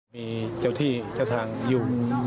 มีเจ้าที่เจ้าทางอยู่